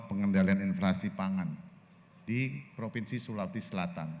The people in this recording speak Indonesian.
pengendalian inflasi pangan di provinsi sulawesi selatan